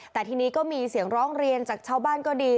แต่ทีนี้ก็มีเสียงร้องเรียนจากชาวบ้านก็ดี